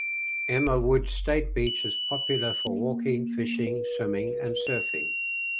Emma Wood State Beach is popular for walking, fishing, swimming, and surfing.